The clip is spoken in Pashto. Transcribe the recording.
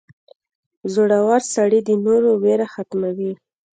• زړور سړی د نورو ویره ختموي.